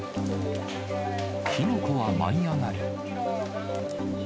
火の粉は舞い上がり。